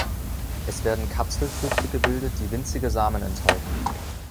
Es werden Kapselfrüchte gebildet, die winzige Samen enthalten.